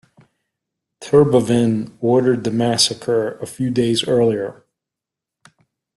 Terboven ordered the massacre a few days earlier.